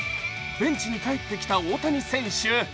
ベンチに帰ってきた大谷選手。